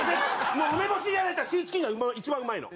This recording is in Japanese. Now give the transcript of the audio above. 梅干しじゃないんだったらシーチキンが一番うまいの。